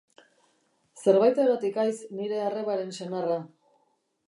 Zerbaitegatik haiz nire arrebaren senarra.